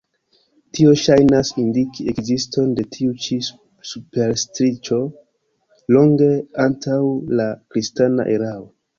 Tio ŝajnas indiki ekziston de tiu ĉi superstiĉo longe antaŭ la kristana erao.